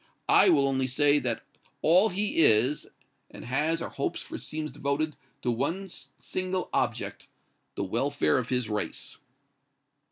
I will only say that all he is, and has or hopes for seems devoted to one single object the welfare of his race."